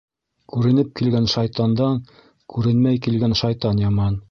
Күренеп килгән шайтандан күренмәй килгән шайтан яман.